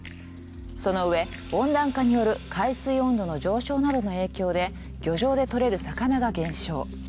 そのうえ温暖化による海水温度の上昇などの影響で漁場で獲れる魚が減少。